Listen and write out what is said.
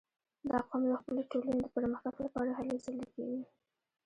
• دا قوم د خپلې ټولنې د پرمختګ لپاره هلې ځلې کوي.